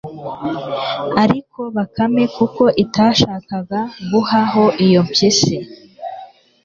ariko bakame kuko itashakaga guha ho iyo mpyisi